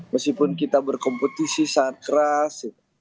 meskipun kita berkompetisi sangat keras